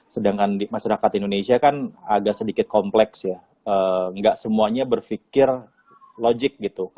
sedangkan masyarakat indonesia kan agak sedikit kompleks ya nggak semuanya berpikir logik gitu